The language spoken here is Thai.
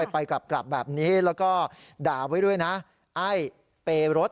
ไปกลับแบบนี้แล้วก็ด่าไว้ด้วยนะไอ้เปรส